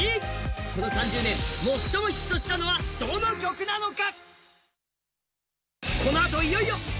この３０年最もヒットしたのはどの曲なのか。